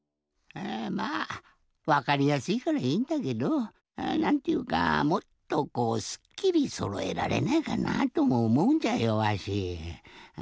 まあわかりやすいからいいんだけどなんていうかもっとこうすっきりそろえられないかなぁともおもうんじゃよわし。